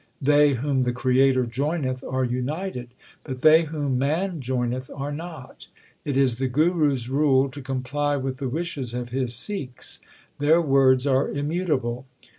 They whom the Creator joineth are united ; but they whom man joineth are not. It is the Guru s rule to comply with the wishes of his Sikhs. Their words are immutable.